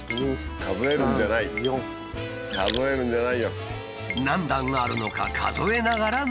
数えるんじゃない！